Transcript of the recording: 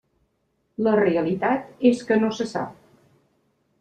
La realitat és que no se sap.